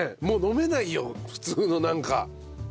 もう飲めないよ普通のなんか。